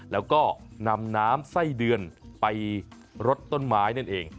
แล้วก็นำน้ำไส้เดือนไปรดต้นไม้นั่นเอง